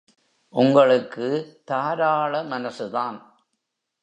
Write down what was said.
உங்களுக்கு தாராள மனசுதான்.